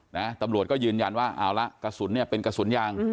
นะตำรวจก็ยืนยันว่าเอาละกระสุนเนี่ยเป็นกระสุนยาง